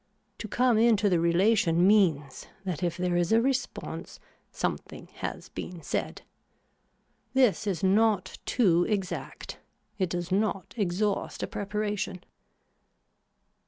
To come into the relation means that if there is a response something has been said. This is not too exact. It does not exhaust a preparation.